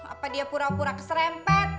apa dia pura pura keserempet